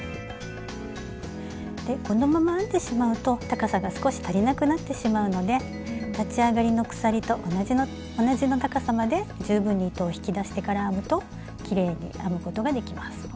このまま編んでしまうと高さが少し足りなくなってしまうので立ち上がりの鎖と同じ高さまで十分に糸を引き出してから編むときれいに編むことができます。